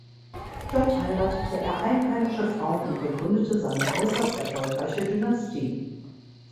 Dort heiratete er einheimische Frauen und begründete seine äußerst erfolgreiche Dynastie.